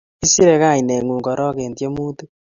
isere kaineng'ung' korok eng' tyemutik